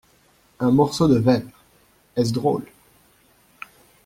Un morceau de verre… est-ce drôle ?